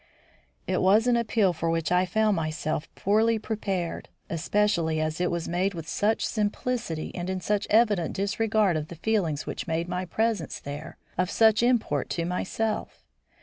It was an appeal for which I found myself poorly prepared, especially as it was made with such simplicity and in such evident disregard of the feelings which made my presence there of such import to myself.